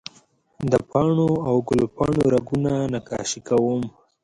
د پاڼو او ګل پاڼو رګونه نقاشي کوم